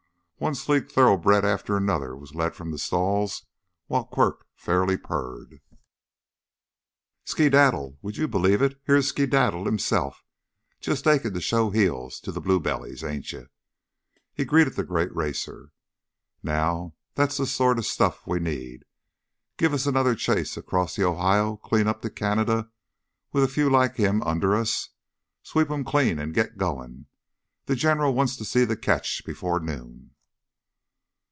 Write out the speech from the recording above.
One sleek thoroughbred after another was led from the stalls while Quirk fairly purred. "Skedaddle! Would you believe it? Here's Skedaddle, himself, just aching to show heels to the blue bellies, ain't you?" He greeted the great racer. "Now that's the sort of stuff we need! Give us another chase across the Ohio clean up to Canada with a few like him under us. Sweep 'em clean and get going! The General wants to see the catch before noon."